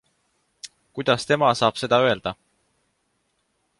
Kuidas tema saab seda öelda?